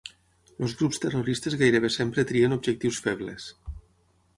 Els grups terroristes gairebé sempre trien objectius febles.